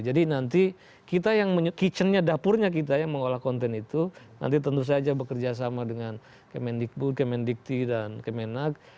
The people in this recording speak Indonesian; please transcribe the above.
jadi nanti kita yang kitchen nya dapurnya kita yang mengolah konten itu nanti tentu saja bekerjasama dengan kemendikbud kemendikti kemenag